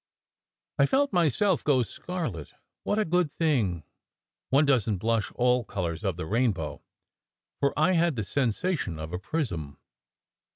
I felt myself go scarlet. What a good thing one doesn t blush all colours of the rainbow ! for I had the sensation of a prism.